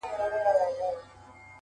له يوه كال راهيسي،